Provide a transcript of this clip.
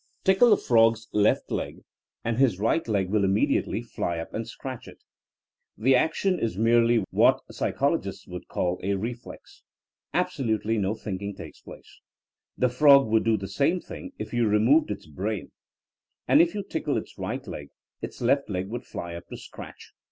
Tickle a frog's left leg, and his right leg will immediately fly up and scratch it. The action is merely what psychologists would call a re flex. '' Absolutely no thinking takes place : the frog would do the same thing if you removed its brain And if you tickle its right leg its left leg would fly up to scratch.